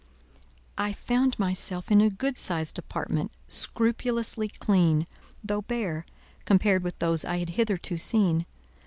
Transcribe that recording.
I found myself in a good sized apartment, scrupulously clean, though bare, compared with those I had hitherto seen.